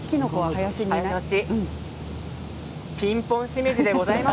ピンポンシメジでございます。